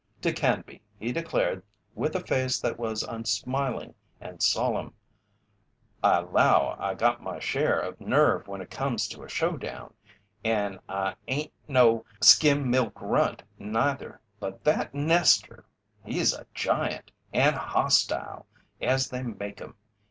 To Canby he declared with a face that was unsmiling and solemn: "I 'low I got my share of nerve when it comes to a show down, and I ain' no skim milk runt, neither, but that nester he's a giant and hos tile as they make 'em!